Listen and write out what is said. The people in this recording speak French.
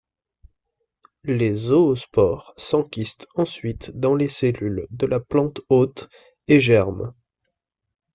Les zoospores s'enkystent ensuite dans les cellules de la plante hôte, et germent.